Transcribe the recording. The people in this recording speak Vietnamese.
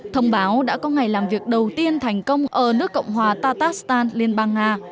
thông báo đã có ngày làm việc đầu tiên thành công ở nước cộng hòa taktastan liên bang nga